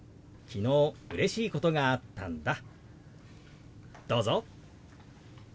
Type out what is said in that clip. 昨日うれしいことがあったんだ。